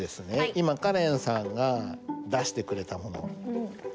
今カレンさんが出してくれたもの。